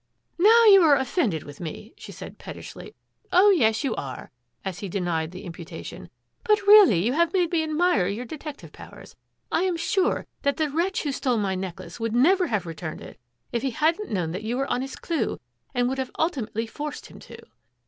" Now you are offended with me," she said pet tishly. " Oh, yes, you are," as he denied the impu tation, " but, really, you have made me admire your detective powers. I am sure that the wretch who stole my necklace would never have returned it if he hadn't known that you were on his clue and would have ultimately forced him to."